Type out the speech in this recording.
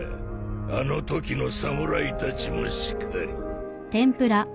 あのときの侍たちもしかり。